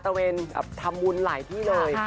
ตะเวนทำมูลหลายที่เลย